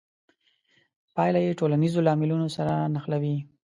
پایله یې ټولنیزو لاملونو سره نښلوي.